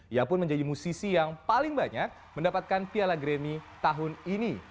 ia pun menjadi musisi yang paling banyak mendapatkan piala grammy tahun ini